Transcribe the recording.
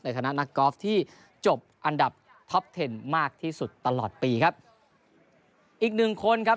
ฐานะนักกอล์ฟที่จบอันดับท็อปเทนมากที่สุดตลอดปีครับอีกหนึ่งคนครับ